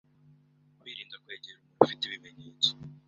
Kwirinda kwegera umuntu ufite ibimenyetso